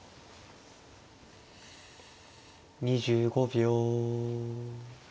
２５秒。